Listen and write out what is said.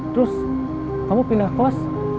terus kamu pindah kelas